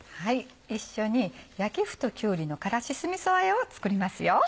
一緒に「焼き麩ときゅうりの辛子酢みそあえ」を作りますよ。